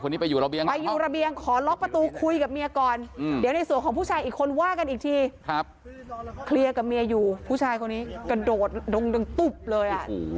เดี๋ยวในส่วนของผู้ชายอีกคนว่ากันอีกทีเคลียร์กับเมียอยู่ผู้ชายคนนี้กระโดดลงตุ๊บเลย